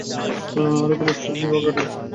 আরে, তোমার চুল কিভাবে কাটলে?